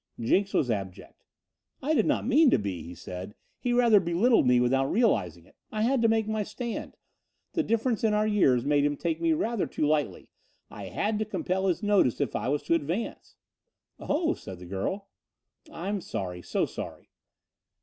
Jenks was abject. "I did not mean to be," he said. "He rather belittled me without realizing it. I had to make my stand. The difference in our years made him take me rather too lightly. I had to compel his notice, if I was to advance." "Oh!" said the girl. "I am sorry so sorry."